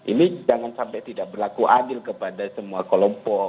ini jangan sampai tidak berlaku adil kepada semua kelompok